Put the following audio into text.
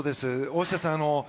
大下さん